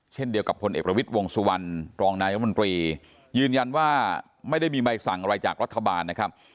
เช่นเดียวกับพลเอกประวิทย์วงสุวรรณรองนายรัฐมนตรียืนยันว่าไม่ได้มีใบสั่งอะไรจากรัฐบาลนะครับ